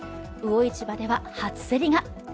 魚市場では初競りが。